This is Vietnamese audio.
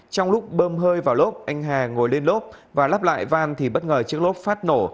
trong lúc bơm hơi vào lớp anh hà ngồi lên lốp và lắp lại van thì bất ngờ chiếc lốp phát nổ